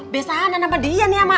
besanan sama dia nia mak